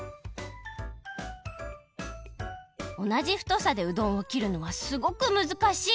おなじふとさでうどんをきるのはすごくむずかしい！